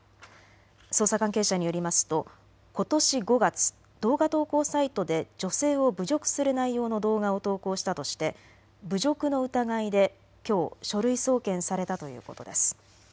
捜査関係者によりますとことし５月、動画投稿サイトで女性を侮辱する内容の動画を投稿したとして侮辱の疑いできょう書類送検されたということです。